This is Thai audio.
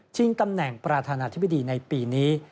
ตำแหน่งประธานาธิบดีในปีนี้